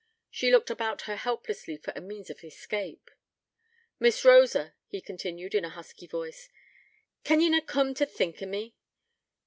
She looked about her helplessly for a means of escape. 'Miss Rosa,' he continued, in a husky voice, 'can ye na coom t' think on me?